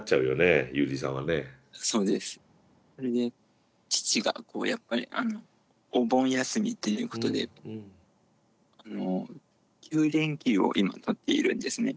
それで父がやっぱりお盆休みということで９連休を今取っているんですね。